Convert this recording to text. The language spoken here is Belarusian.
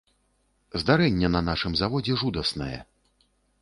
Здарэнне на нашым заводзе жудаснае.